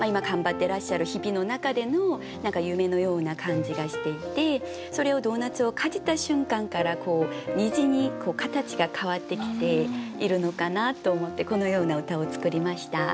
てらっしゃる日々の中での夢のような感じがしていてそれをドーナツをかじった瞬間から虹に形が変わってきているのかなと思ってこのような歌を作りました。